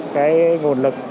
cái nguồn lực